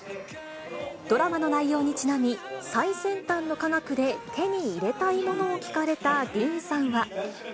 ドラマの内容にちなみ、最先端の科学で手に入れたいものを聞かれたディーンさんは。